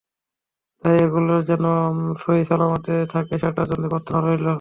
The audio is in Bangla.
তাই এগুলো যেন সহি-সালামতে থাকে সেটার জন্যই প্রার্থনা রইল।